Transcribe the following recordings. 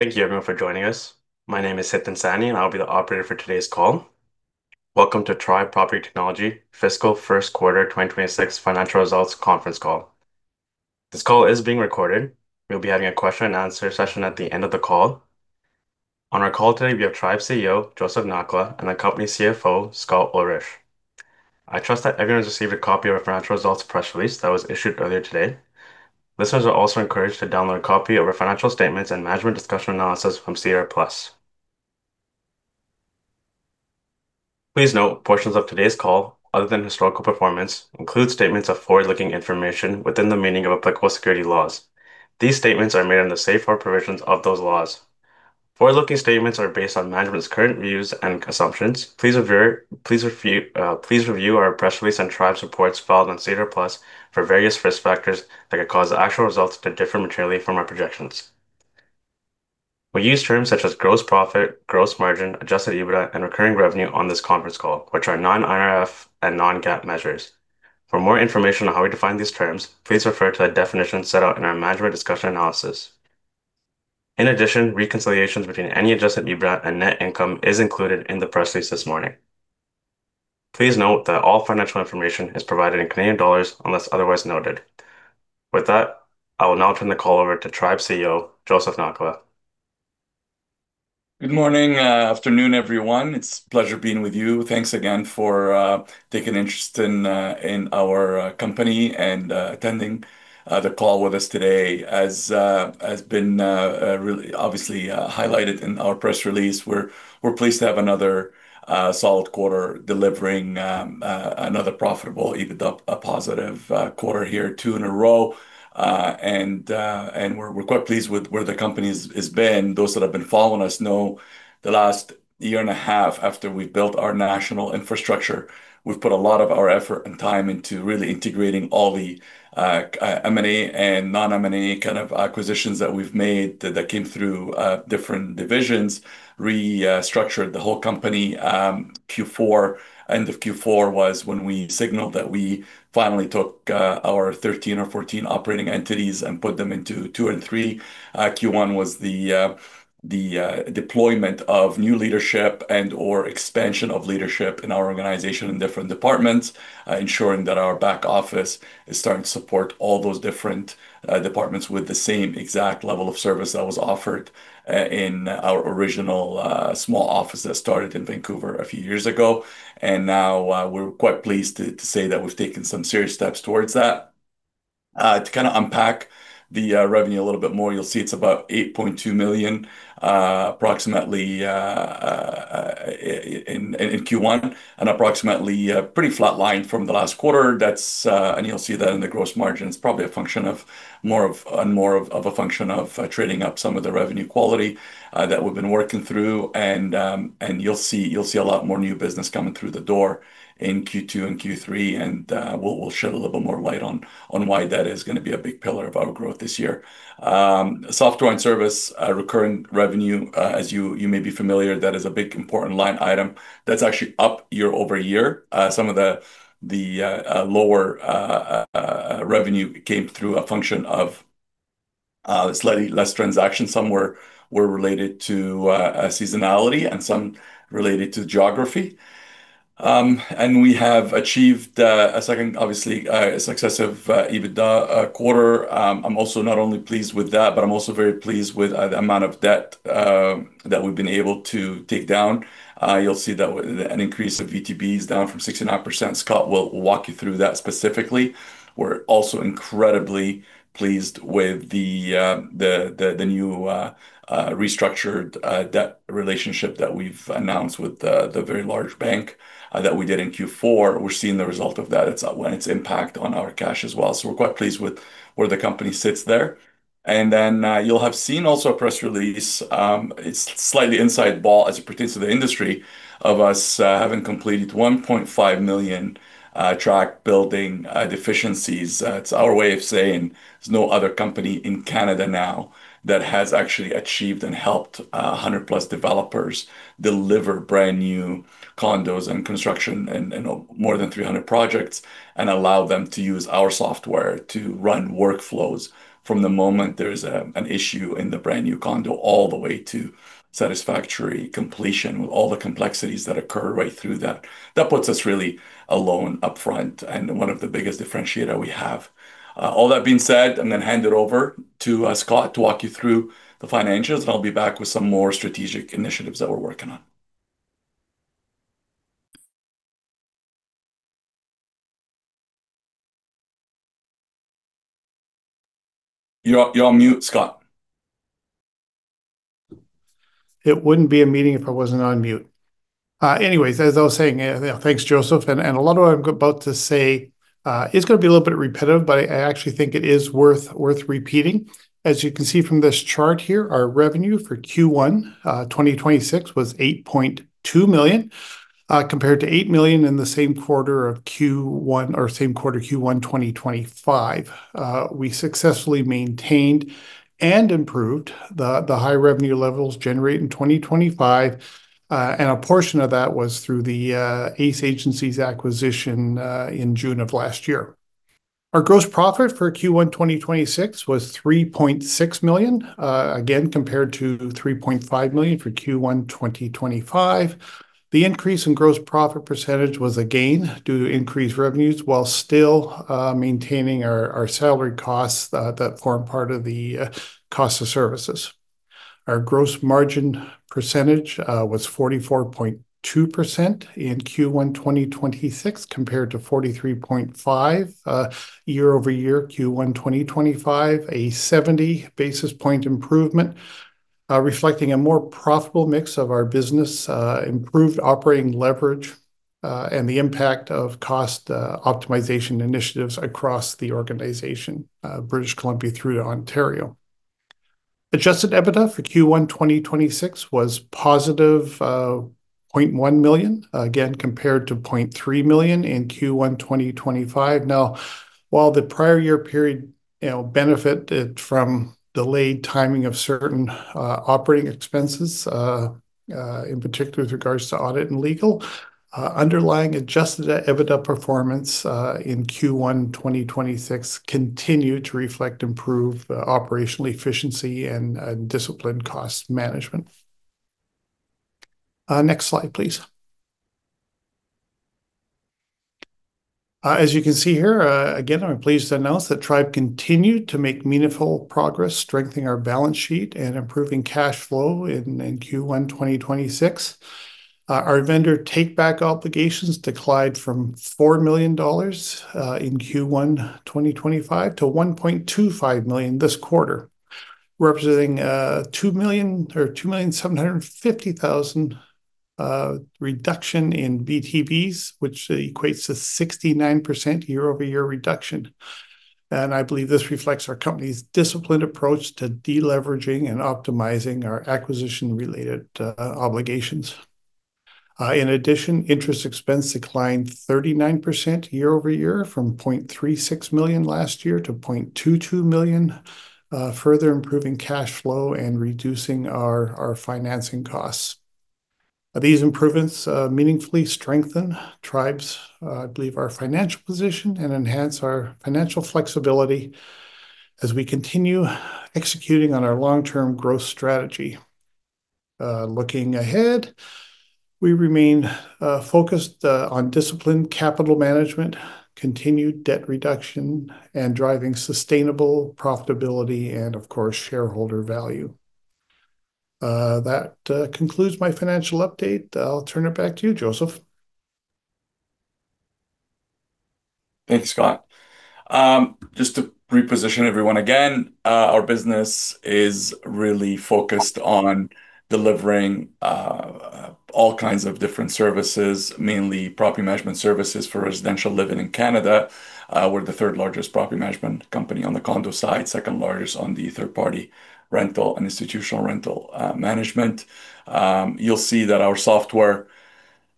Thank you everyone for joining us. My name is Hithen Sani, and I'll be the operator for today's call. Welcome to Tribe Property Technologies fiscal first quarter 2026 financial results conference call. This call is being recorded. We'll be having a question-and-answer session at the end of the call. On our call today, we have Tribe's CEO, Joseph Nakhla, and the company's CFO, Scott Ullrich. I trust that everyone's received a copy of our financial results press release that was issued earlier today. Listeners are also encouraged to download a copy of our financial statements and management discussion analysis from SEDAR+. Please note, portions of today's call, other than historical performance, includes statements of forward-looking information within the meaning of applicable security laws. These statements are made under the safe harbor provisions of those laws. Forward-looking statements are based on management's current views and assumptions. Please review our press release and Tribe reports filed on SEDAR+ for various risk factors that could cause the actual results to differ materially from our projections. We use terms such as gross profit, gross margin, adjusted EBITDA, and recurring revenue on this conference call, which are non-IFRS and non-GAAP measures. For more information on how we define these terms, please refer to the definition set out in our Management Discussion and Analysis. In addition, reconciliations between any adjusted EBITDA and net income is included in the press release this morning. Please note that all financial information is provided in CAD unless otherwise noted. With that, I will now turn the call over to Tribe CEO, Joseph Nakhla. Good morning, afternoon, everyone. It's pleasure being with you. Thanks again for taking interest in our company and attending the call with us today. As been really obviously highlighted in our press release, we're pleased to have another solid quarter delivering another profitable EBITDA positive quarter here, two in a row. We're quite pleased with where the company has been. Those that have been following us know the last year and a half after we've built our national infrastructure, we've put a lot of our effort and time into really integrating all the M&A and non-M&A kind of acquisitions that we've made that came through different divisions, restructured the whole company. End of Q4 was when we signaled that we finally took our 13 or 14 operating entities and put them into two and three. Q1 was the deployment of new leadership and/or expansion of leadership in our organization in different departments, ensuring that our back office is starting to support all those different departments with the same exact level of service that was offered in our original small office that started in Vancouver a few years ago. Now we're quite pleased to say that we've taken some serious steps towards that. To kind of unpack the revenue a little bit more, you'll see it's about 8.2 million approximately in Q1, approximately pretty flat line from the last quarter. You'll see that in the gross margin. It's probably more of a function of trading up some of the revenue quality that we've been working through. You'll see a lot more new business coming through the door in Q2 and Q3. We'll shed a little bit more light on why that is going to be a big pillar of our growth this year. Software and service, recurring revenue, as you may be familiar, that is a big important line item. That's actually up year-over-year. Some of the lower revenue came through a function of slightly less transactions. Some were related to seasonality and some related to geography. We have achieved, second, obviously, a successive EBITDA quarter. I'm also not only pleased with that, but I'm also very pleased with the amount of debt that we've been able to take down. You'll see that an increase of VTB is down from 69%. Scott will walk you through that specifically. We're also incredibly pleased with the new restructured debt relationship that we've announced with the very large bank that we did in Q4. We're seeing the result of that and its impact on our cash as well. We're quite pleased with where the company sits there. You'll have seen also a press release, it's slightly inside ball as it pertains to the industry of us having completed 1.5 million track building deficiencies. It's our way of saying there's no other company in Canada now that has actually achieved and helped 100+ developers deliver brand new condos and construction in more than 300 projects and allow them to use our software to run workflows from the moment there's an issue in the brand new condo, all the way to satisfactory completion with all the complexities that occur right through that. That puts us really alone, up front, and one of the biggest differentiators we have. All that being said, I'm going to hand it over to Scott to walk you through the financials, and I'll be back with some more strategic initiatives that we're working on. You're on mute, Scott. Anyways, as I was saying, Thanks, Joseph. A lot of what I'm about to say is going to be a little bit repetitive, but I actually think it is worth repeating. As you can see from this chart here, our revenue for Q1 2026 was 8.2 million, compared to 8 million in the same quarter of Q1, or same quarter Q1 2025. We successfully maintained and improved the high revenue levels generated in 2025. A portion of that was through the Ace Agencies acquisition in June of last year. Our gross profit for Q1 2026 was 3.6 million, again, compared to 3.5 million for Q1 2025. The increase in gross profit percentage was again due to increased revenues while still maintaining our salary costs that form part of the cost of services. Our gross margin percentage was 44.2% in Q1 2026 compared to 43.5% year-over-year Q1 2025, a 70 basis point improvement, reflecting a more profitable mix of our business, improved operating leverage, and the impact of cost optimization initiatives across the organization, British Columbia through to Ontario. Adjusted EBITDA for Q1 2026 was positive 0.1 million, again, compared to 0.3 million in Q1 2025. While the prior year period benefited from delayed timing of certain operating expenses, in particular with regards to audit and legal, underlying adjusted EBITDA performance in Q1 2026 continued to reflect improved operational efficiency and disciplined cost management. Next slide, please. As you can see here, again, I'm pleased to announce that Tribe continued to make meaningful progress strengthening our balance sheet and improving cash flow in Q1 2026. Our vendor take-back obligations declined from 4 million dollars in Q1 2025 to 1.25 million this quarter, representing a 2 million or 2,750,000 reduction in VTBs, which equates to 69% year-over-year reduction. I believe this reflects our company's disciplined approach to deleveraging and optimizing our acquisition-related obligations. In addition, interest expense declined 39% year-over-year from 0.36 million last year to 0.22 million, further improving cash flow and reducing our financing costs. These improvements meaningfully strengthen Tribe's, I believe, our financial position and enhance our financial flexibility as we continue executing on our long-term growth strategy. Looking ahead, we remain focused on disciplined capital management, continued debt reduction, and driving sustainable profitability, and of course, shareholder value. That concludes my financial update. I'll turn it back to you, Joseph. Thanks, Scott. Just to reposition everyone again, our business is really focused on delivering all kinds of different services, mainly property management services for residential living in Canada. We're the third largest property management company on the condo side, second largest on the third-party rental and institutional rental management. You'll see that our software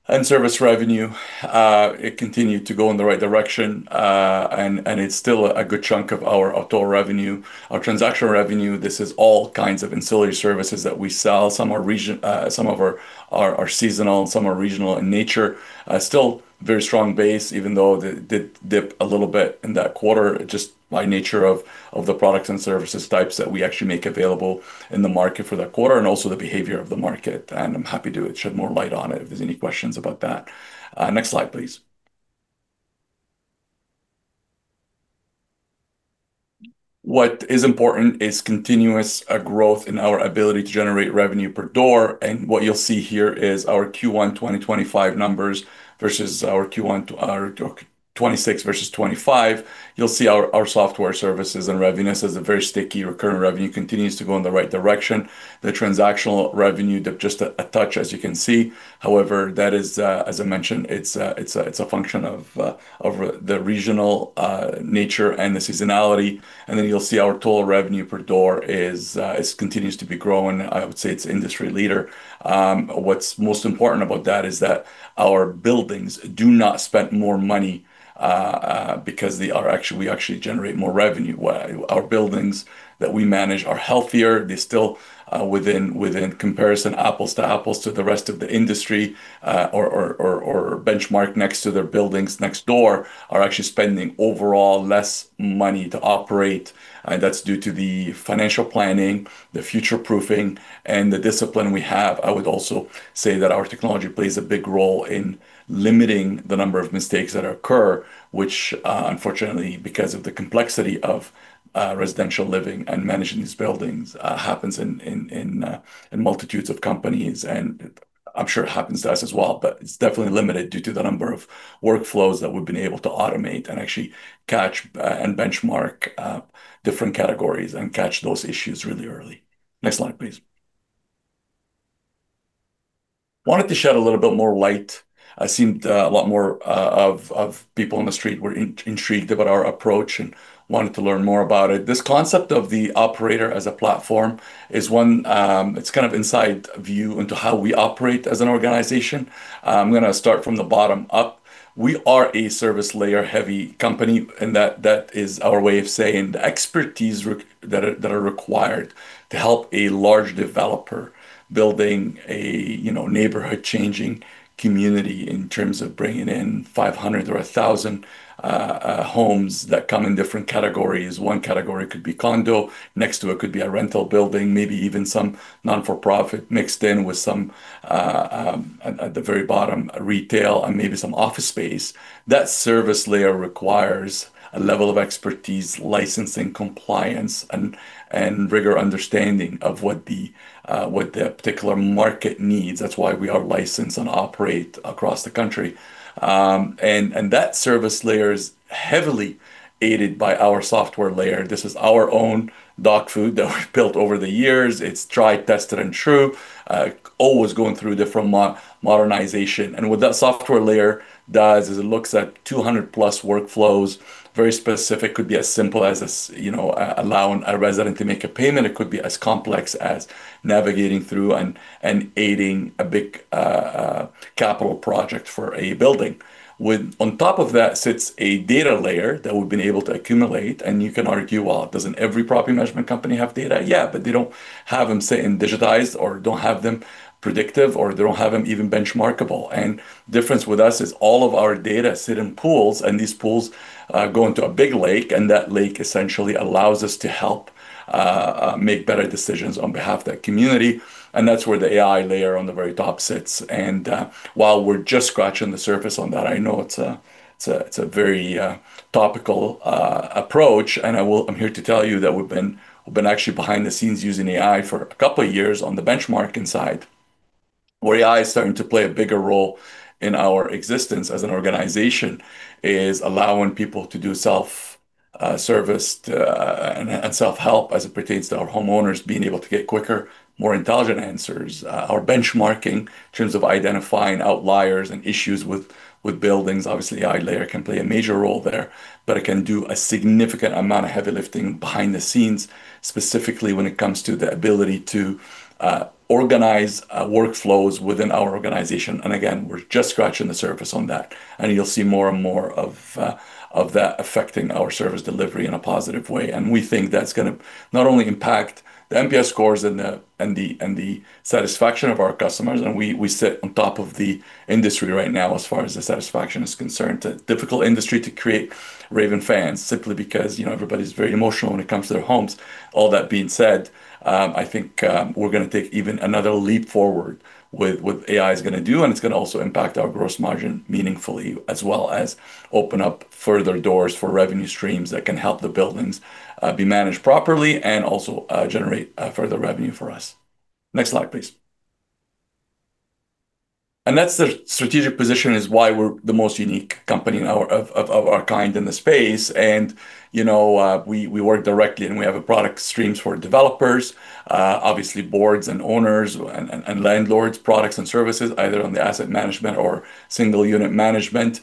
and service revenue, it continued to go in the right direction, and it's still a good chunk of our total revenue. Our transactional revenue, this is all kinds of ancillary services that we sell. Some are seasonal, some are regional in nature. Still very strong base, even though it dipped a little bit in that quarter, just by nature of the products and services types that we actually make available in the market for that quarter, and also the behavior of the market. I'm happy to shed more light on it if there's any questions about that. Next slide, please. What is important is continuous growth in our ability to generate revenue per door. What you'll see here is our Q1 2025 numbers versus our Q1 2026 versus 2025. You'll see our software services and revenues as a very sticky recurring revenue continues to go in the right direction. The transactional revenue dipped just a touch as you can see. However, that is, as I mentioned, it's a function of the regional nature and the seasonality. You'll see our total revenue per door continues to be growing. I would say it's industry leader. What's most important about that is that our buildings do not spend more money because we actually generate more revenue. Our buildings that we manage are healthier. They still within comparison, apples to apples to the rest of the industry, or benchmarked next to their buildings next door, are actually spending overall less money to operate. That's due to the financial planning, the future-proofing, and the discipline we have. I would also say that our technology plays a big role in limiting the number of mistakes that occur, which unfortunately, because of the complexity of residential living and managing these buildings, happens in multitudes of companies, and I'm sure it happens to us as well. It's definitely limited due to the number of workflows that we've been able to automate and actually catch and benchmark different categories and catch those issues really early. Next slide, please. Wanted to shed a little more light. It seemed a lot more of people on the street were intrigued about our approach and wanted to learn more about it. This concept of the operator as a platform is one, it's kind of inside view into how we operate as an organization. I'm going to start from the bottom up. We are a service layer heavy company, That is our way of saying the expertise that are required to help a large developer building a neighborhood-changing community in terms of bringing in 500 or 1,000 homes that come in different categories. One category could be condo, next to it could be a rental building, maybe even some non-for-profit mixed in with some, at the very bottom, retail and maybe some office space. That service layer requires a level of expertise, licensing, compliance, and rigor understanding of what the particular market needs. That's why we are licensed and operate across the country. That service layer is heavily aided by our software layer. This is our own dog food that we've built over the years. It's tried, tested, and true, always going through different modernization. What that software layer does is it looks at 200+ workflows, very specific. Could be as simple as allowing a resident to make a payment. It could be as complex as navigating through and aiding a big capital project for a building. On top of that sits a data layer that we've been able to accumulate, and you can argue, well, doesn't every property management company have data? Yeah, but they don't have them, say, in digitized or don't have them predictive, or they don't have them even benchmarkable. The difference with us is all of our data sit in pools, and these pools go into a big lake, and that lake essentially allows us to help make better decisions on behalf of that community. That's where the AI layer on the very top sits. While we're just scratching the surface on that, I know it's a very topical approach. I'm here to tell you that we've been actually behind the scenes using AI for a couple of years on the benchmarking side. Where AI is starting to play a bigger role in our existence as an organization is allowing people to do self-service and self-help as it pertains to our homeowners being able to get quicker, more intelligent answers. Our benchmarking in terms of identifying outliers and issues with buildings, obviously, AI layer can play a major role there. It can do a significant amount of heavy lifting behind the scenes, specifically when it comes to the ability to organize workflows within our organization. Again, we're just scratching the surface on that, and you'll see more and more of that affecting our service delivery in a positive way. We think that's going to not only impact the NPS scores and the satisfaction of our customers, and we sit on top of the industry right now as far as the satisfaction is concerned. It's a difficult industry to create raving fans simply because everybody's very emotional when it comes to their homes. All that being said, I think we're going to take even another leap forward with what AI is going to do, and it's going to also impact our gross margin meaningfully, as well as open up further doors for revenue streams that can help the buildings be managed properly and also generate further revenue for us. Next slide, please. That strategic position is why we're the most unique company of our kind in the space. We work directly and we have product streams for developers, obviously boards and owners and landlords, products and services, either on the asset management or single-unit management.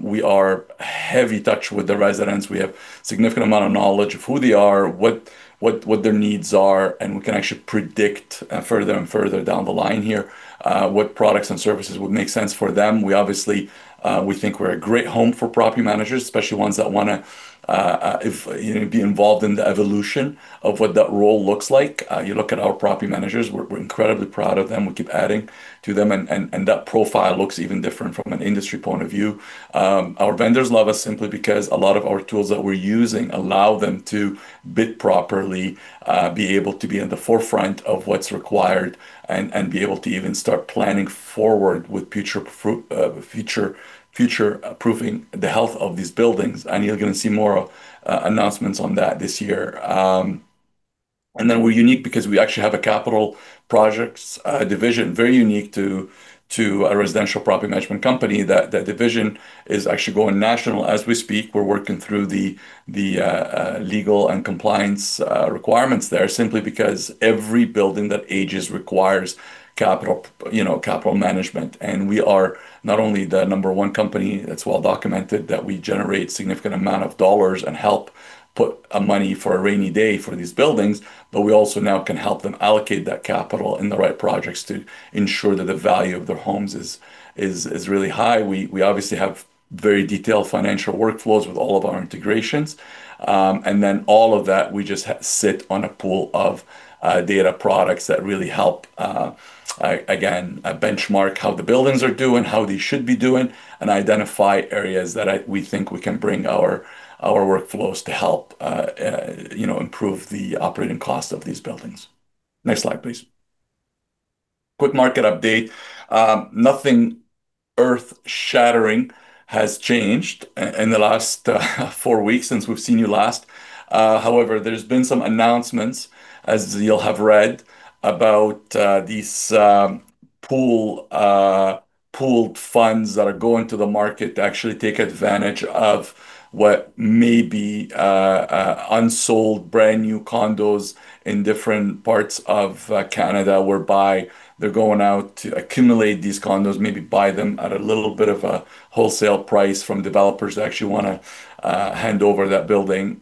We are heavy touch with the residents. We have significant amount of knowledge of who they are, what their needs are, and we can actually predict further and further down the line here what products and services would make sense for them. We obviously think we're a great home for property managers, especially ones that want to be involved in the evolution of what that role looks like. You look at our property managers, we're incredibly proud of them. We keep adding to them, and that profile looks even different from an industry point of view. Our vendors love us simply because a lot of our tools that we're using allow them to bid properly, be able to be in the forefront of what's required, and be able to even start planning forward with future-proofing the health of these buildings. You're going to see more announcements on that this year. We're unique because we actually have a capital projects division, very unique to a residential property management company. That division is actually going national as we speak. We're working through the legal and compliance requirements there simply because every building that ages requires capital management. We are not only the number one company, it's well documented that we generate significant amount of dollars and help put money for a rainy day for these buildings, but we also now can help them allocate that capital in the right projects to ensure that the value of their homes is really high. We obviously have very detailed financial workflows with all of our integrations. Then all of that, we just sit on a pool of data products that really help, again, benchmark how the buildings are doing, how they should be doing, and identify areas that we think we can bring our workflows to help improve the operating cost of these buildings. Next slide, please. Quick market update. Nothing earth-shattering has changed in the last four weeks since we've seen you last. However, there's been some announcements, as you'll have read, about these pooled funds that are going to the market to actually take advantage of what may be unsold brand-new condos in different parts of Canada, whereby they're going out to accumulate these condos, maybe buy them at a little bit of a wholesale price from developers who actually want to hand over that building.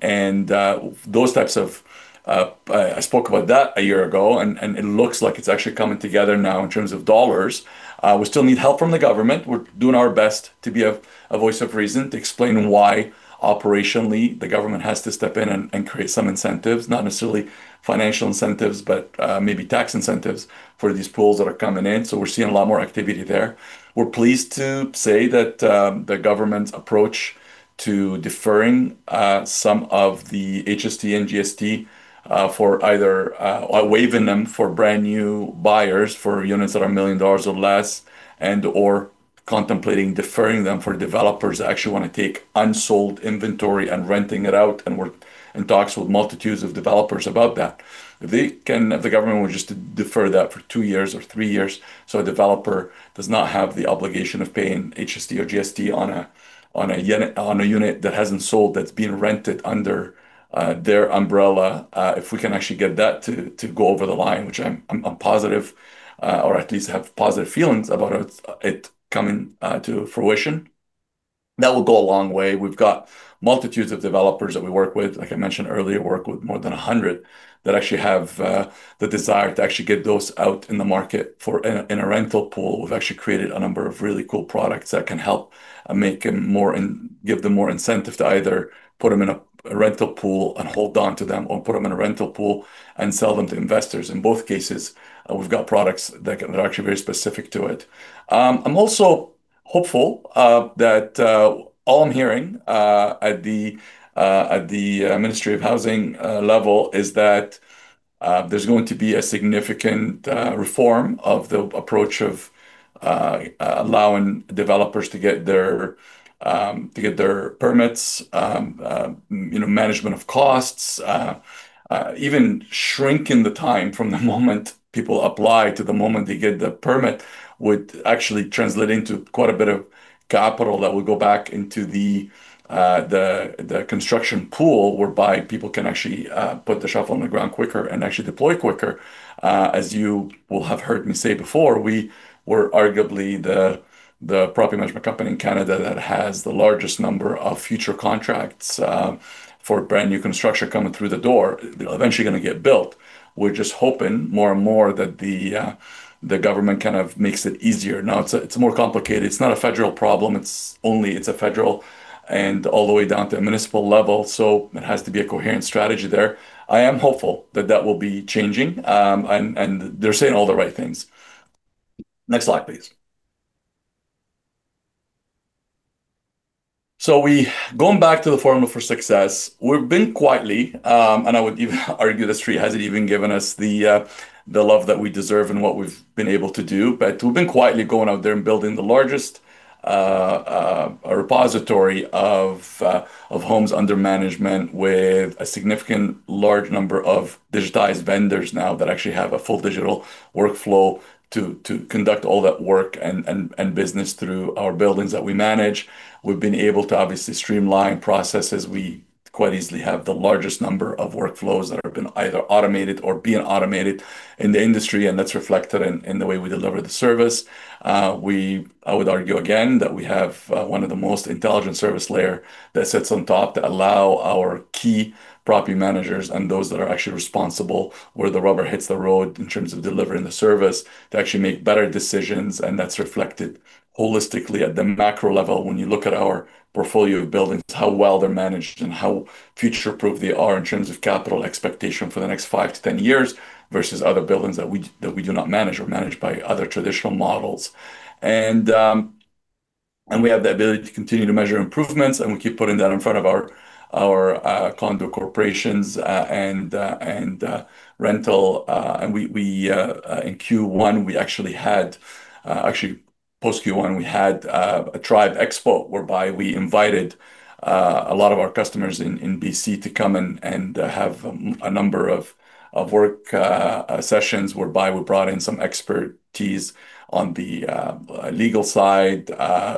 I spoke about that a year ago, and it looks like it's actually coming together now in terms of dollars. We still need help from the government. We're doing our best to be a voice of reason to explain why operationally the government has to step in and create some incentives, not necessarily financial incentives, but maybe tax incentives for these pools that are coming in. We're seeing a lot more activity there. We're pleased to say that the government's approach to deferring some of the HST and GST, or waiving them for brand-new buyers for units that are 1 million dollars or less, and/or contemplating deferring them for developers that actually want to take unsold inventory and renting it out, and we're in talks with multitudes of developers about that. If the government would just defer that for two years or three years, so a developer does not have the obligation of paying HST or GST on a unit that hasn't sold, that's being rented under their umbrella. If we can actually get that to go over the line, which I'm positive, or at least have positive feelings about it coming to fruition, that will go a long way. We've got multitudes of developers that we work with. Like I mentioned earlier, work with more than 100, that actually have the desire to actually get those out in the market in a rental pool. We've actually created a number of really cool products that can help and give them more incentive to either put them in a rental pool and hold onto them or put them in a rental pool and sell them to investors. In both cases, we've got products that are actually very specific to it. I'm also hopeful that all I'm hearing at the Ministry of Housing level is that there's going to be a significant reform of the approach of allowing developers to get their permits, management of costs, even shrinking the time from the moment people apply to the moment they get the permit would actually translate into quite a bit of capital that would go back into the construction pool, whereby people can actually put the shovel in the ground quicker and actually deploy quicker. As you will have heard me say before, we were arguably the property management company in Canada that has the largest number of future contracts for brand-new construction coming through the door, eventually going to get built. We're just hoping more and more that the government kind of makes it easier. It's more complicated. It's not a federal problem. It's a federal and all the way down to a municipal level, it has to be a coherent strategy there. I am hopeful that that will be changing, and they're saying all the right things. Next slide, please. Going back to the formula for success. We've been quietly, and I would argue the street hasn't even given us the love that we deserve and what we've been able to do, but we've been quietly going out there and building the largest repository of homes under management with a significant large number of digitized vendors now that actually have a full digital workflow to conduct all that work and business through our buildings that we manage. We've been able to obviously streamline processes. We quite easily have the largest number of workflows that have been either automated or being automated in the industry, and that's reflected in the way we deliver the service. I would argue again, that we have one of the most intelligent service layer that sits on top that allow our key property managers and those that are actually responsible where the rubber hits the road in terms of delivering the service to actually make better decisions, and that's reflected holistically at the macro level when you look at our portfolio of buildings, how well they're managed and how future-proof they are in terms of capital expectation for the next five to 10 years versus other buildings that we do not manage or managed by other traditional models. We have the ability to continue to measure improvements, and we keep putting that in front of our condo corporations and rental. In post Q1, we had a Tribe Expo whereby we invited a lot of our customers in B.C. to come and have a number of work sessions whereby we brought in some expertise on the legal side,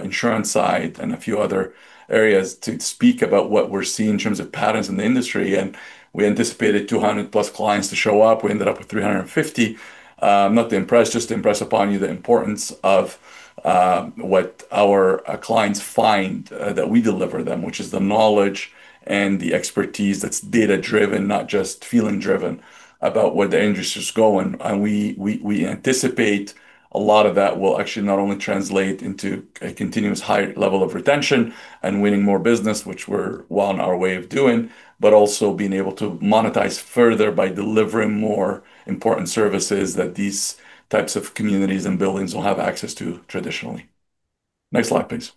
insurance side, and a few other areas to speak about what we're seeing in terms of patterns in the industry. We anticipated 200+ clients to show up. We ended up with 350. Not to impress, just to impress upon you the importance of what our clients find that we deliver them, which is the knowledge and the expertise that's data-driven, not just feeling driven about where the industry is going. We anticipate a lot of that will actually not only translate into a continuous high level of retention and winning more business, which we're well on our way of doing, but also being able to monetize further by delivering more important services that these types of communities and buildings will have access to traditionally. Next slide, please.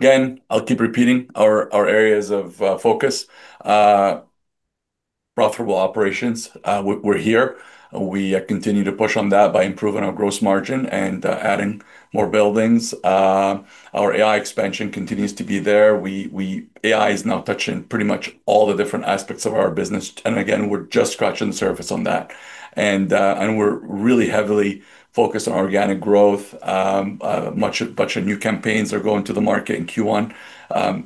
Again, I'll keep repeating our areas of focus. Profitable operations. We're here, and we continue to push on that by improving our gross margin and adding more buildings. Our AI expansion continues to be there. AI is now touching pretty much all the different aspects of our business. Again, we're just scratching the surface on that. We're really heavily focused on organic growth. A bunch of new campaigns are going to the market in Q1,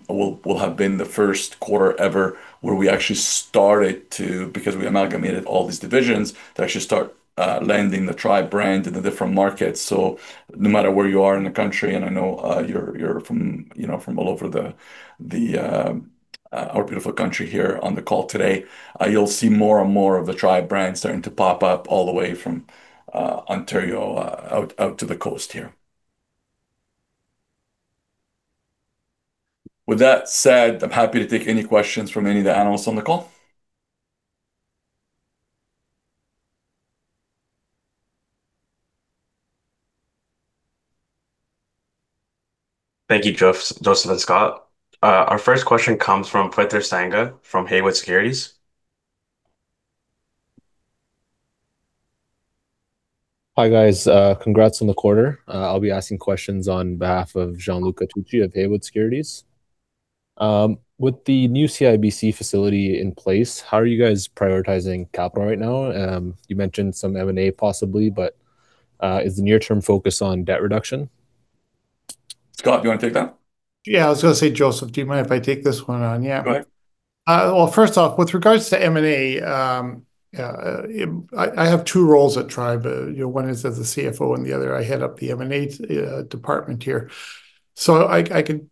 will have been the first quarter ever where we actually started to, because we amalgamated all these divisions to actually start landing the Tribe brand in the different markets. No matter where you are in the country, and I know you're from all over our beautiful country here on the call today, you'll see more and more of the Tribe brand starting to pop up all the way from Ontario out to the coast here. With that said, I'm happy to take any questions from any of the analysts on the call. Thank you, Joseph and Scott. Our first question comes from Paviter Sangha from Haywood Securities. Hi, guys. Congrats on the quarter. I'll be asking questions on behalf of Gianluca Tucci of Haywood Securities. With the new CIBC facility in place, how are you guys prioritizing capital right now? You mentioned some M&A possibly, but is the near-term focus on debt reduction? Scott, do you want to take that? Yeah. I was going to say, Joseph, do you mind if I take this one on? Yeah. Go ahead. First off, with regards to M&A, I have two roles at Tribe. One is as the CFO, the other, I head up the M&A department here. I can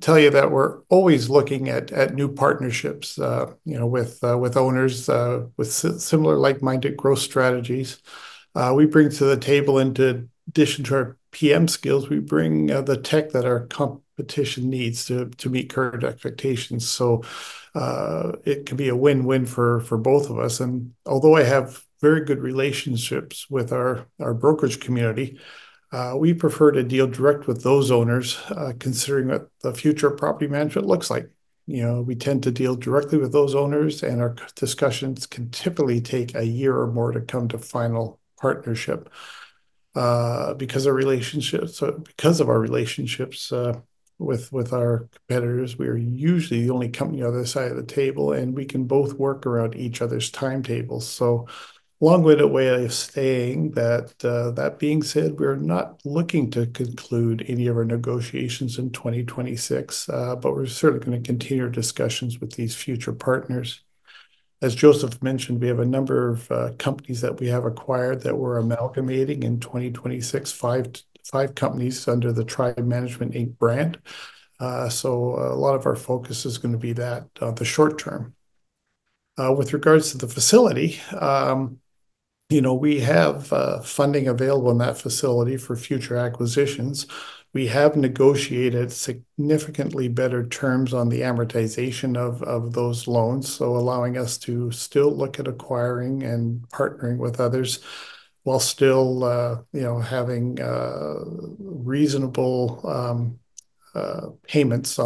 tell you that we're always looking at new partnerships with owners with similar like-minded growth strategies. We bring to the table, in addition to our PM skills, we bring the tech that our competition needs to meet current expectations. It can be a win-win for both of us. Although I have very good relationships with our brokerage community, we prefer to deal direct with those owners considering what the future of property management looks like. We tend to deal directly with those owners, our discussions can typically take a year or more to come to final partnership. Because of our relationships with our competitors, we are usually the only company on the other side of the table, and we can both work around each other's timetables. Long-winded way of saying that being said, we are not looking to conclude any of our negotiations in 2026. We're certainly going to continue our discussions with these future partners. As Joseph mentioned, we have a number of companies that we have acquired that we're amalgamating in 2026. Five companies under the Tribe Management Inc. brand. A lot of our focus is going to be that, the short term. With regards to the facility, we have funding available in that facility for future acquisitions. We have negotiated significantly better terms on the amortization of those loans, so allowing us to still look at acquiring and partnering with others while still having reasonable payments,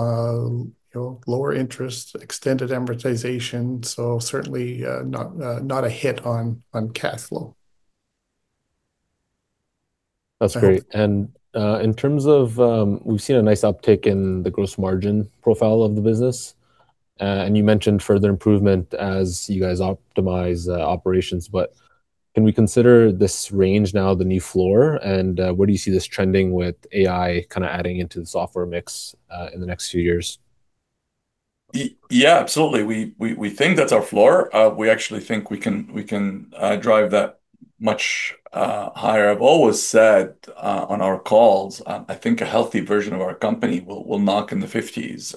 lower interest, extended amortization. Certainly not a hit on cash flow. That's great. In terms of, we've seen a nice uptick in the gross margin profile of the business, and you mentioned further improvement as you guys optimize the operations. Can we consider this range now the new floor, and where do you see this trending with AI kind of adding into the software mix in the next few years? Yeah, absolutely. We think that's our floor. We actually think we can drive that much higher. I've always said on our calls, I think a healthy version of our company will knock in the 50s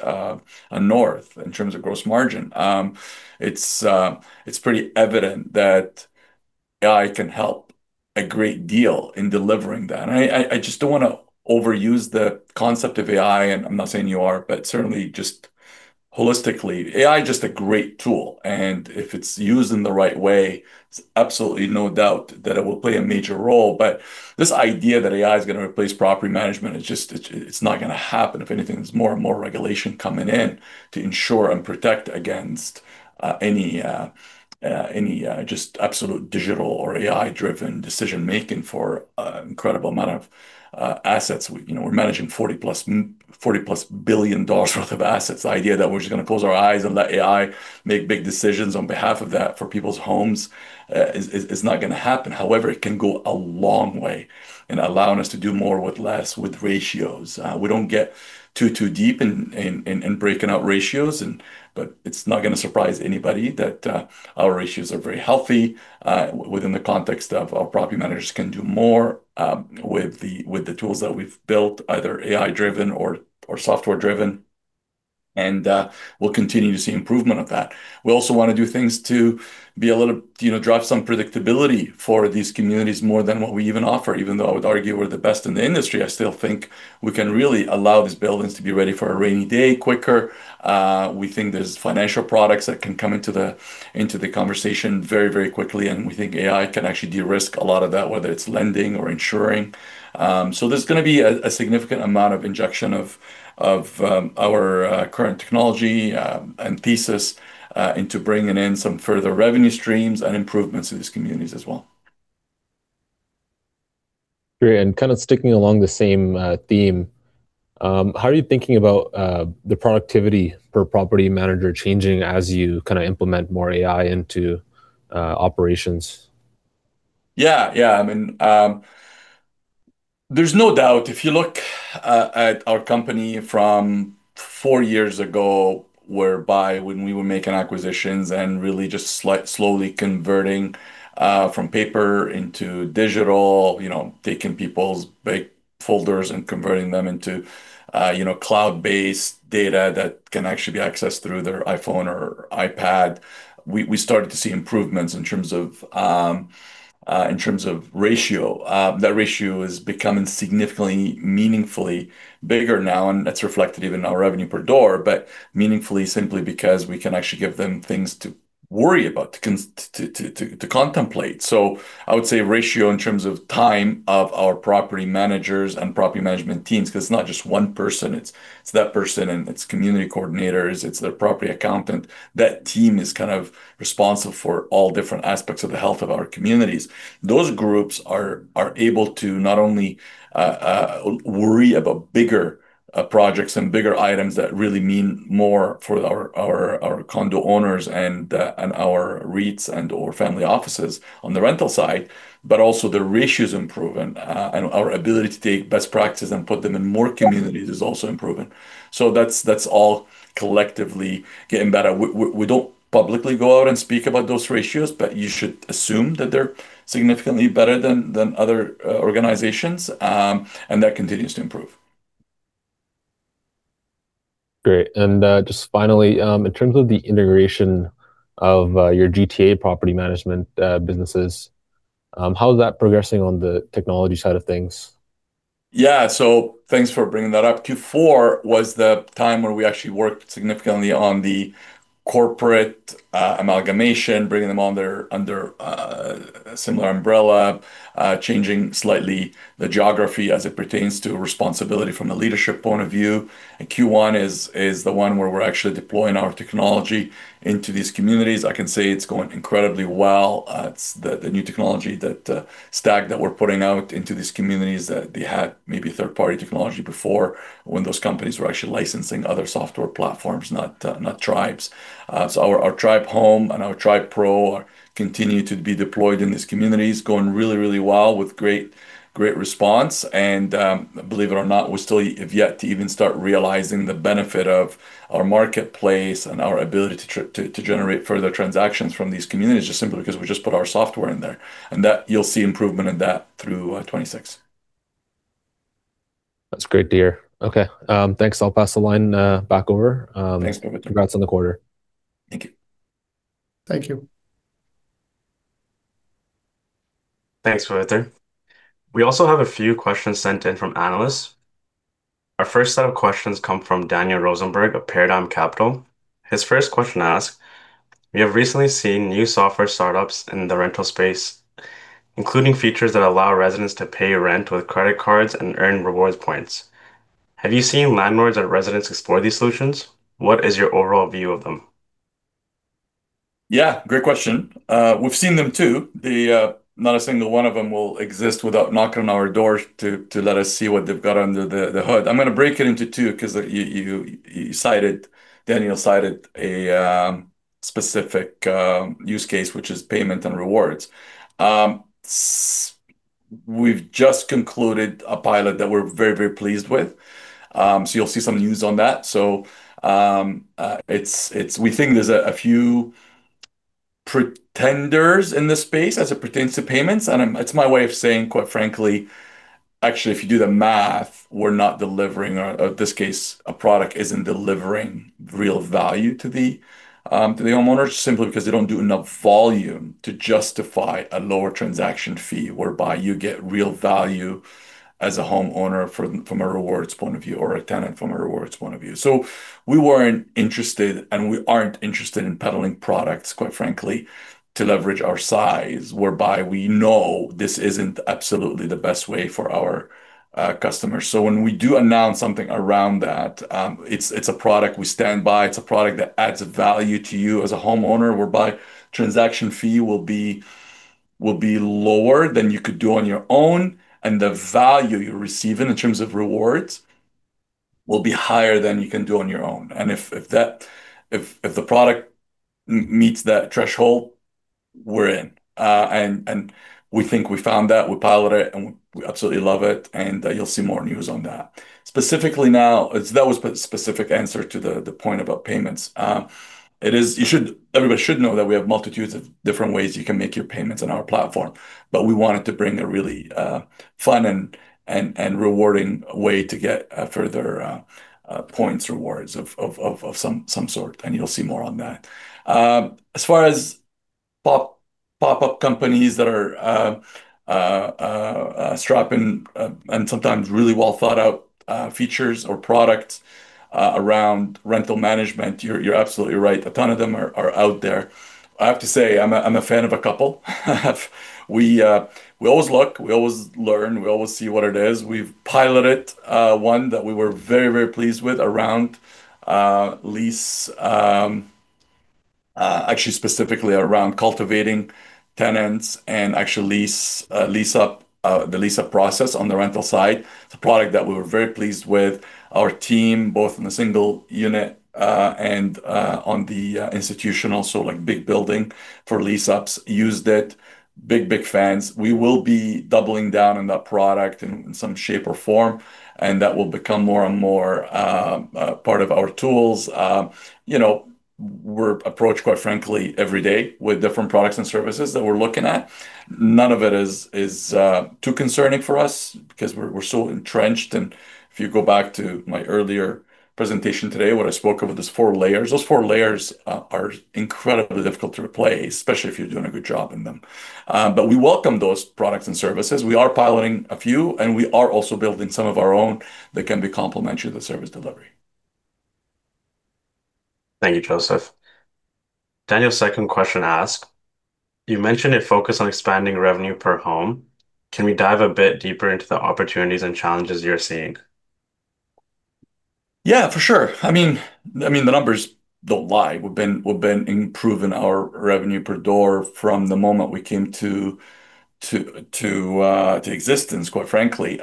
and north in terms of gross margin. It's pretty evident that AI can help a great deal in delivering that. I just don't want to overuse the concept of AI, and I'm not saying you are, but certainly just holistically, AI is just a great tool, and if it's used in the right way, it's absolutely no doubt that it will play a major role. This idea that AI is going to replace property management, it's not going to happen. If anything, there's more and more regulation coming in to ensure and protect against any just absolute digital or AI-driven decision making for an incredible amount of assets. We're managing 40-plus billion dollars worth of assets. The idea that we're just going to close our eyes on that AI, make big decisions on behalf of that for people's homes, is not going to happen. However, it can go a long way in allowing us to do more with less with ratios. We don't get too deep in breaking out ratios, but it's not going to surprise anybody that our ratios are very healthy within the context of our property managers can do more with the tools that we've built, either AI-driven or software-driven. We'll continue to see improvement of that. We also want to do things to be able to drive some predictability for these communities more than what we even offer. Even though I would argue we're the best in the industry, I still think we can really allow these buildings to be ready for a rainy day quicker. We think there's financial products that can come into the conversation very quickly, and we think AI can actually de-risk a lot of that, whether it's lending or insuring. There's going to be a significant amount of injection of our current technology and thesis into bringing in some further revenue streams and improvements to these communities as well. Great. Sticking along the same theme, how are you thinking about the productivity per property manager changing as you implement more AI into operations? Yeah. There's no doubt, if you look at our company from four years ago, whereby when we were making acquisitions and really just slowly converting from paper into digital, taking people's big folders and converting them into cloud-based data that can actually be accessed through their iPhone or iPad. We started to see improvements in terms of ratio. That ratio is becoming significantly, meaningfully bigger now, and that's reflected even in our revenue per door, but meaningfully simply because we can actually give them things to worry about, to contemplate. I would say ratio in terms of time of our property managers and property management teams, because it's not just one person, it's that person and it's community coordinators, it's their property accountant. That team is responsible for all different aspects of the health of our communities. Those groups are able to not only worry about bigger projects and bigger items that really mean more for our condo owners and our REITs and/or family offices on the rental side, but also the ratio's improving. Our ability to take best practices and put them in more communities is also improving. That's all collectively getting better. We don't publicly go out and speak about those ratios, but you should assume that they're significantly better than other organizations, and that continues to improve. Great. Just finally, in terms of the integration of your GTA property management businesses, how is that progressing on the technology side of things? Yeah. Thanks for bringing that up. Q4 was the time where we actually worked significantly on the corporate amalgamation, bringing them under a similar umbrella. Changing slightly the geography as it pertains to responsibility from the leadership point of view. Q1 is the one where we're actually deploying our technology into these communities. I can say it's going incredibly well. The new technology, that stack that we're putting out into these communities that they had maybe third-party technology before when those companies were actually licensing other software platforms, not Tribe's. Our Tribe Home and our Tribe Pro continue to be deployed in these communities, going really, really well with great response and, believe it or not, we still have yet to even start realizing the benefit of our marketplace and our ability to generate further transactions from these communities, just simply because we just put our software in there, and you'll see improvement in that through 2026. That's great to hear. Okay. Thanks. I'll pass the line back over. Thanks, Paviter. Congrats on the quarter. Thank you. Thank you. Thanks, Paviter. We also have a few questions sent in from analysts. Our first set of questions come from Daniel Rosenberg of Paradigm Capital. His first question asks: We have recently seen new software startups in the rental space, including features that allow residents to pay rent with credit cards and earn rewards points. Have you seen landlords or residents explore these solutions? What is your overall view of them? Great question. We've seen them too. Not a single one of them will exist without knocking on our doors to let us see what they've got under the hood. I'm going to break it into two, because Daniel cited a specific use case, which is payment and rewards. We've just concluded a pilot that we're very, very pleased with, so you'll see some news on that. We think there's a few pretenders in this space as it pertains to payments, and it's my way of saying, quite frankly, actually, if you do the math, we're not delivering, or this case, a product isn't delivering real value to the homeowner simply because they don't do enough volume to justify a lower transaction fee, whereby you get real value as a homeowner from a rewards point of view, or a tenant from a rewards point of view. We weren't interested, and we aren't interested in peddling products, quite frankly, to leverage our size, whereby we know this isn't absolutely the best way for our customers. When we do announce something around that, it's a product we stand by. It's a product that adds value to you as a homeowner, whereby transaction fee will be lower than you could do on your own, and the value you're receiving in terms of rewards will be higher than you can do on your own. If the product meets that threshold, we're in. We think we found that. We pilot it, and we absolutely love it, and you'll see more news on that. Specifically now, that was specific answer to the point about payments. Everybody should know that we have multitudes of different ways you can make your payments on our platform, but we wanted to bring a really fun and rewarding way to get further points rewards of some sort, and you'll see more on that. As far as pop-up companies that are strapping and sometimes really well-thought-out features or products around rental management, you're absolutely right. A ton of them are out there. I have to say, I'm a fan of a couple. We always look, we always learn, we always see what it is. We've piloted one that we were very, very pleased with around Actually specifically around cultivating tenants and actually the lease-up process on the rental side. It's a product that we're very pleased with. Our team, both in the single unit and on the institutional, so like big building for lease-ups used it. Big fans. We will be doubling down on that product in some shape or form, and that will become more and more part of our tools. We're approached, quite frankly, every day with different products and services that we're looking at. None of it is too concerning for us because we're so entrenched, and if you go back to my earlier presentation today, what I spoke about, those four layers. Those four layers are incredibly difficult to replace, especially if you're doing a good job in them. We welcome those products and services. We are piloting a few, and we are also building some of our own that can be complementary to service delivery. Thank you, Joseph. Your second question asked: "You mentioned a focus on expanding revenue per home. Can we dive a bit deeper into the opportunities and challenges you're seeing? Yeah, for sure. The numbers don't lie. We've been improving our revenue per door from the moment we came to existence, quite frankly.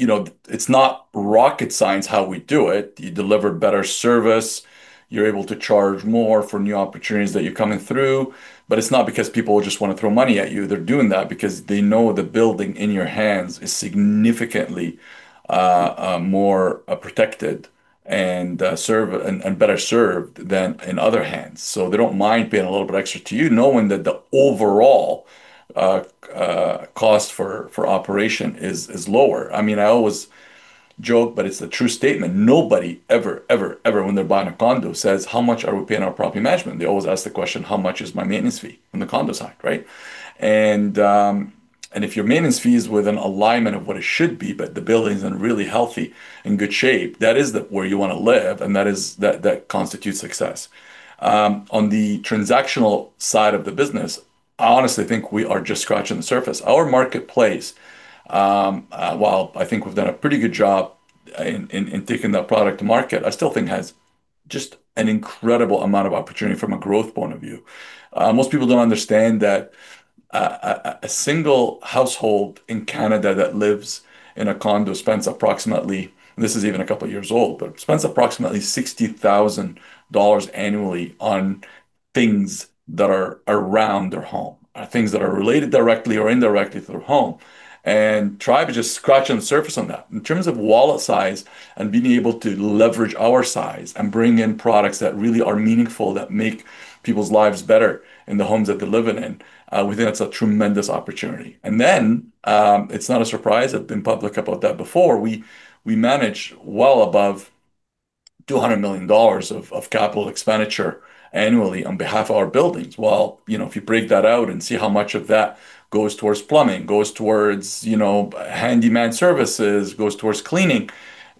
It's not rocket science how we do it. You deliver better service, you're able to charge more for new opportunities that are coming through. It's not because people just want to throw money at you. They're doing that because they know the building in your hands is significantly more protected and better served than in other hands. They don't mind paying a little bit extra to you, knowing that the overall cost for operation is lower. I always joke, but it's a true statement. Nobody ever, when they're buying a condo, says, "How much are we paying our property management?" They always ask the question, "How much is my maintenance fee on the condo side?" Right? If your maintenance fee is within alignment of what it should be, that the building's in really healthy, in good shape, that is where you want to live, and that constitutes success. On the transactional side of the business, I honestly think we are just scratching the surface. Our marketplace, while I think we've done a pretty good job in taking that product to market, I still think has just an incredible amount of opportunity from a growth point of view. Most people don't understand that a single household in Canada that lives in a condo spends approximately, and this is even a couple of years old, but spends approximately 60,000 dollars annually on things that are around their home, things that are related directly or indirectly to their home. Tribe is just scratching the surface on that. In terms of wallet size and being able to leverage our size and bring in products that really are meaningful, that make people's lives better in the homes that they're living in, we think that's a tremendous opportunity. It's not a surprise, I've been public about that before, we manage well above 200 million dollars of capital expenditure annually on behalf of our buildings. If you break that out and see how much of that goes towards plumbing, goes towards handyman services, goes towards cleaning,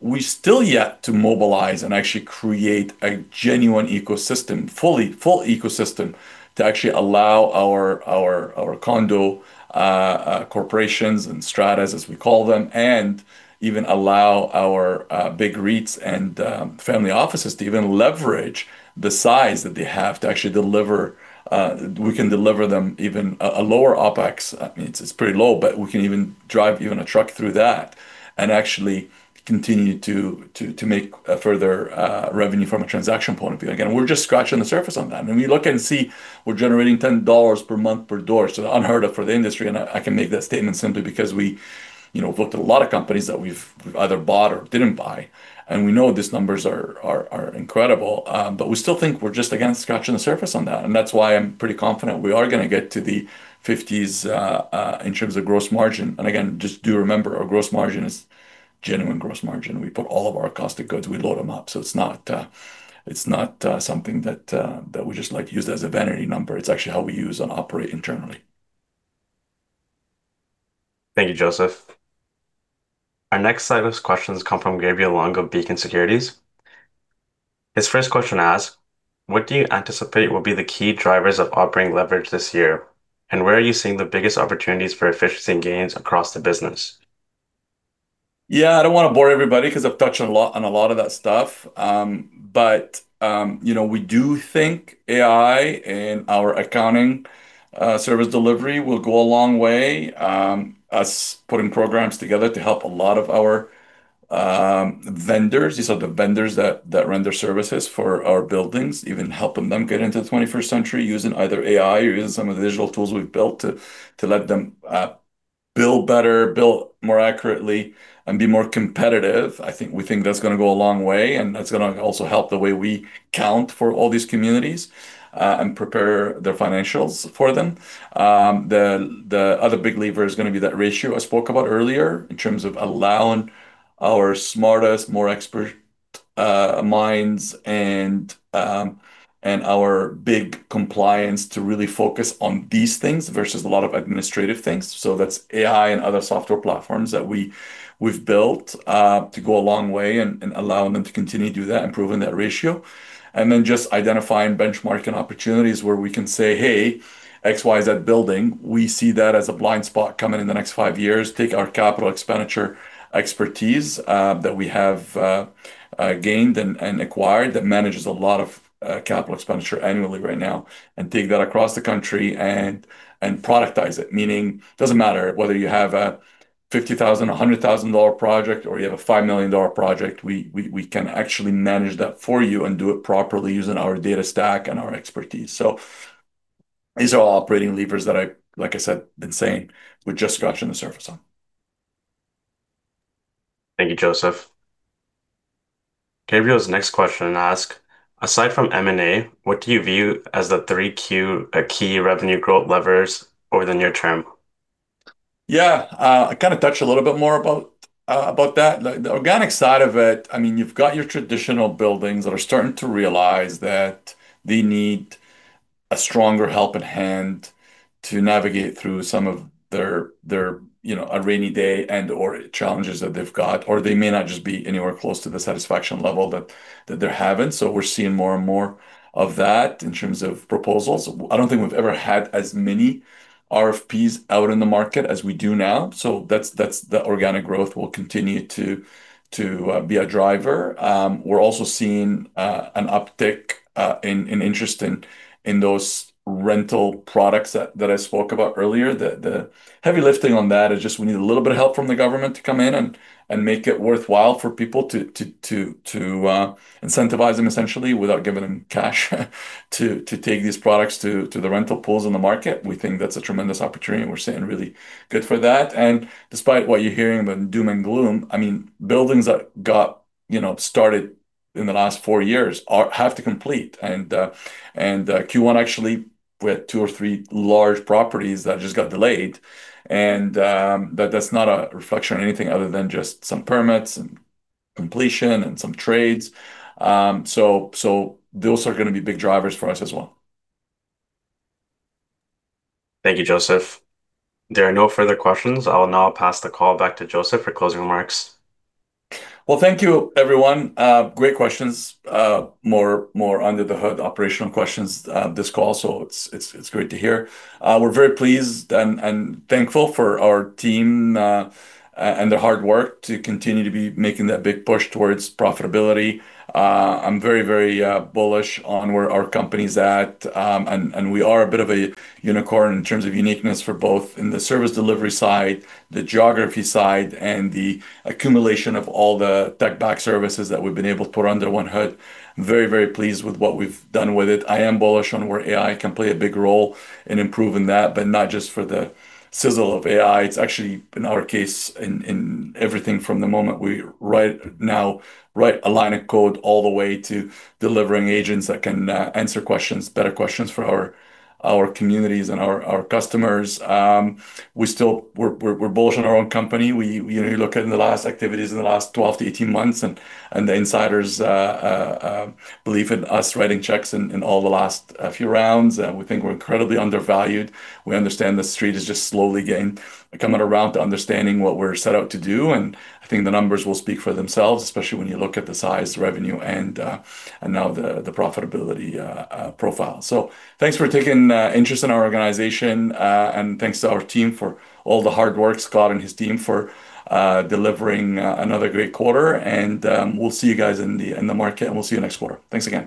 we're still yet to mobilize and actually create a genuine ecosystem, full ecosystem, to actually allow our condo corporations and stratas, as we call them, and even allow our big REITs and family offices to even leverage the size that they have to actually deliver. We can deliver them even a lower OPEX. I mean, it's pretty low, but we can even drive even a truck through that and actually continue to make further revenue from a transaction point of view. We're just scratching the surface on that. We look and see we're generating 10 dollars per month per door. Unheard of for the industry. I can make that statement simply because we've looked at a lot of companies that we've either bought or didn't buy, and we know these numbers are incredible. We still think we're just, again, scratching the surface on that. That's why I'm pretty confident we are going to get to the 50s in terms of gross margin. Again, just do remember our gross margin is genuine gross margin. We put all of our cost of goods, we load them up. It's not something that we just use as a vanity number. It's actually how we use and operate internally. Thank you, Joseph. Our next set of questions come from Gabriel Wong of Beacon Securities. His first question asks: "What do you anticipate will be the key drivers of operating leverage this year, and where are you seeing the biggest opportunities for efficiency gains across the business? Yeah, I don't want to bore everybody because I've touched on a lot of that stuff. We do think AI and our accounting service delivery will go a long way, us putting programs together to help a lot of our vendors. These are the vendors that render services for our buildings, even helping them get into the 21st century using either AI or using some of the digital tools we've built to let them build better, build more accurately, and be more competitive. We think that's going to go a long way. That's going to also help the way we account for all these communities and prepare the financials for them. The other big lever is going to be that ratio I spoke about earlier, in terms of allowing our smartest, more expert minds and our big compliance to really focus on these things versus a lot of administrative things. That's AI and other software platforms that we've built to go a long way and allowing them to continue to do that, improving that ratio. Then just identifying benchmarking opportunities where we can say, "Hey, X, Y, Z building, we see that as a blind spot coming in the next five years. Take our capital expenditure expertise that we have gained and acquired, that manages a lot of capital expenditure annually right now, and take that across the country and productize it. Meaning, it doesn't matter whether you have a 50,000, 100,000 dollar project, or you have a 5 million dollar project, we can actually manage that for you and do it properly using our data stack and our expertise. These are operating levers that I, like I said, been saying we're just scratching the surface on. Thank you, Joseph. Gabriel's next question asks, aside from M&A, what do you view as the three key revenue growth levers over the near term? Yeah. I touch a little bit more about that. The organic side of it, you've got your traditional buildings that are starting to realize that they need a stronger helping hand to navigate through some of their rainy day and/or challenges that they've got, or they may not just be anywhere close to the satisfaction level that they're having. We're seeing more and more of that in terms of proposals. I don't think we've ever had as many RFPs out in the market as we do now. That's the organic growth will continue to be a driver. We're also seeing an uptick in interest in those rental products that I spoke about earlier. The heavy lifting on that is just we need a little bit of help from the government to come in and make it worthwhile for people to incentivize them essentially without giving them cash to take these products to the rental pools in the market. We think that's a tremendous opportunity, and we're seeing really good for that. Despite what you're hearing, the doom and gloom, buildings that got started in the last four years have to complete. Q1 actually, we had two or three large properties that just got delayed, and that's not a reflection of anything other than just some permits and completion and some trades. Those are going to be big drivers for us as well. Thank you, Joseph. There are no further questions. I'll now pass the call back to Joseph for closing remarks. Well, thank you everyone. Great questions. More under the hood operational questions this call, so it's great to hear. We're very pleased and thankful for our team and the hard work to continue to be making that big push towards profitability. I'm very bullish on where our company's at. We are a bit of a unicorn in terms of uniqueness for both in the service delivery side, the geography side, and the accumulation of all the back services that we've been able to put under one hood. I'm very pleased with what we've done with it. I am bullish on where AI can play a big role in improving that, but not just for the sizzle of AI. It's actually, in our case, in everything from the moment we right now write a line of code all the way to delivering agents that can answer questions, better questions for our communities and our customers. We're bullish on our own company. The insiders believe in us writing checks in all the last few rounds. We think we're incredibly undervalued. We understand the Street is just slowly coming around to understanding what we're set out to do, and I think the numbers will speak for themselves, especially when you look at the size, revenue, and now the profitability profile. Thanks for taking interest in our organization, and thanks to our team for all the hard work, Scott and his team for delivering another great quarter. We'll see you guys in the market, and we'll see you next quarter. Thanks again.